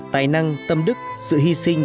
tài năng tâm đức sự hy sinh